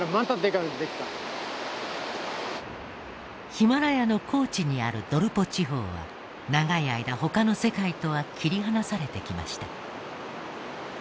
ヒマラヤの高地にあるドルポ地方は長い間他の世界とは切り離されてきました。